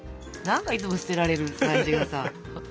何かいつも捨てられる感じがさ。